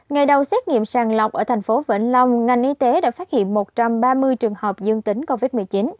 ngày đầu xét nghiệm sàng lọc ở thành phố vĩnh long ngành y tế đã phát hiện một trăm ba mươi trường hợp dương tính covid một mươi chín